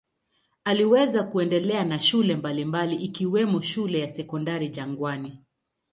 Aliweza kuendelea na shule mbalimbali ikiwemo shule ya Sekondari Jangwani.